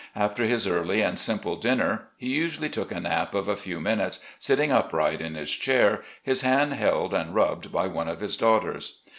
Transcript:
After his early and simple dinner, he usually took a nap of a few minutes, sitting upright in his chair, his hand held and rubbed by one of his daughters.